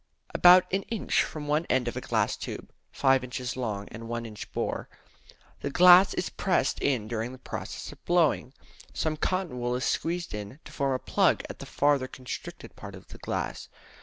About an inch from each end of a glass tube (5 inches long and 1 inch bore), the glass is pressed in during the process of blowing. Some cotton wool is squeezed in to form a plug at the farther constricted part of the glass.